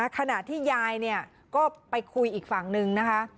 ขณะที่ยายก็ไปคุยอีกฝั่งนึงนะคะ